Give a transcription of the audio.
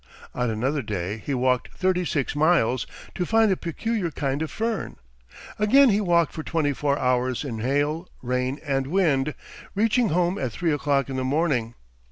On another day he walked thirty six miles to find a peculiar kind of fern. Again he walked for twenty four hours in hail, rain, and wind, reaching home at three o'clock in the morning.